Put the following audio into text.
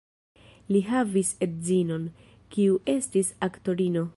Li havis edzinon, kiu estis aktorino.